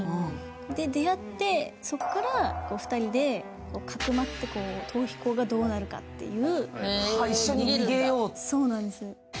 出会って、そこから２人がかくまって、逃避行がどうなるかっていう。